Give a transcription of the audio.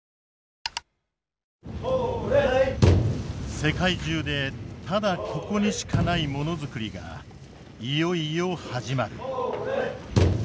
世界中でただここにしかないものづくりがいよいよ始まる。